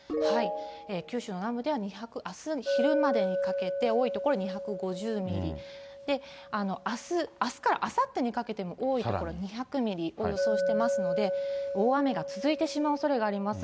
九州の南部では２００、あす昼までにかけて、多い所は２５０ミリ、あすからあさってにかけて、多い所、２００ミリを予想してますので、大雨が続いてしまうおそれがあります。